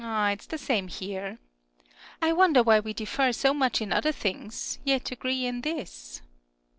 It is tlie same here. I wonder why we differ so much in other things, yet agree in this.